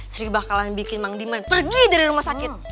sri bakalan bikin diman pergi dari rumah sakit